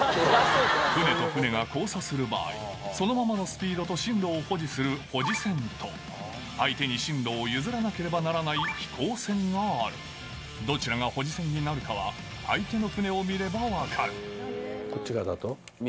船と船が交差する場合そのままのスピードと進路を保持する保持船と相手に進路を譲らなければならない避航船があるどちらが保持船になるかは相手の船を見れば分かるこっち側だと。